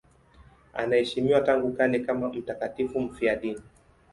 Anaheshimiwa tangu kale kama mtakatifu mfiadini.